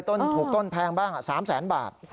ถูกต้นแพงบ้าง๓แสนบาท